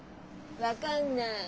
分かんない。